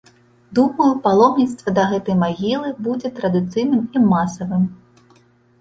Думаю, паломніцтва да гэтай магілы, будзе традыцыйным і масавым.